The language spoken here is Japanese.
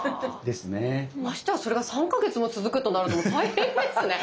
ましてやそれが３か月も続くとなると大変ですね。